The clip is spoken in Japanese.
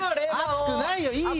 暑くないよいいよ！